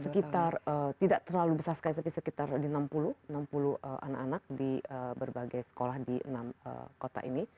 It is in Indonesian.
sekitar tidak terlalu besar sekali tapi sekitar di enam puluh enam puluh anak anak di berbagai sekolah di enam kota ini